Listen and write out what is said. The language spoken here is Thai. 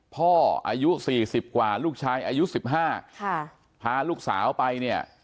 พ่ออายุ๔๐กว่าลูกชายอายุ๑๕พาลูกสาวไป